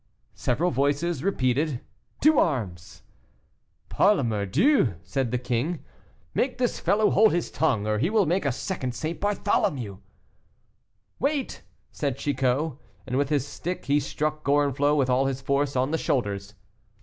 Several voices repeated, "To arms!" "Par la mordieu!" said the king, "make this fellow hold his tongue, or he will make a second St. Bartholomew!" "Wait," said Chicot, and with his stick he struck Gorenflot with all his force on the shoulders.